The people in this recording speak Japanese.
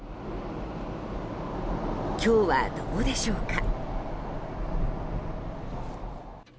今日はどうでしょうか。